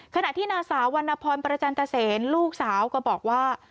ขณะที่นางสาววรรณพรประจันตเซนลูกสาวก็บอกว่า